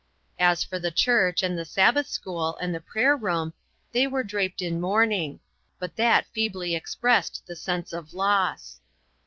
As for the church, and the Sabbath school, and the prayer room, they were draped in mourning ; but that feebly expressed the sense of loss.